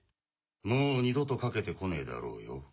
もう二度とかけてこねえだろうよ。